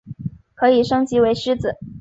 可以升级为狮子。